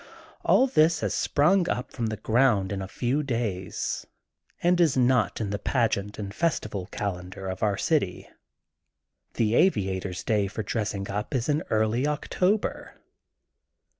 All this has sprung up from the ground in a few days and is not in the pageant and festi val calendar of the city. The aviator's day for dressing up is in early October.